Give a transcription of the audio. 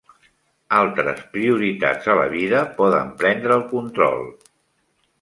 Altres prioritats a la vida poden prendre el control.